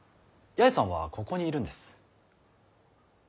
八重さんはここにいるんです。